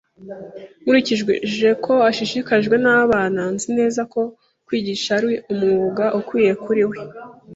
Nkurikije ko ashishikajwe n’abana, nzi neza ko kwigisha ari umwuga ukwiye kuri we.